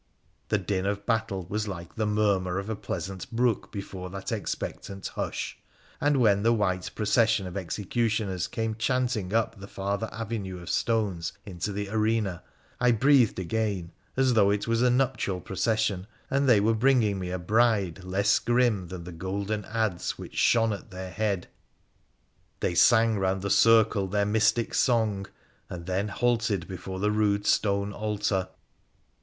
The din of battle was like the murmur of a pleasant brook before that expectant hush ; and when the white procession of execu tioners came chanting up the farther avenue of stones into the arena, I breathed again as though it was a nuptial procession and they were bringing me a bride less grim than the golden adze which shone at their head. They sang round the circle their mystic song, and then halted before the rude stone altar.